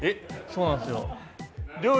そうなんすよ。